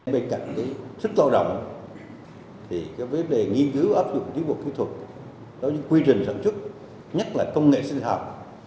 bên cạnh sức tạo động với vấn đề nghiên cứu áp dụng tiếp tục kỹ thuật quy trình sản xuất nhất là công nghệ sinh học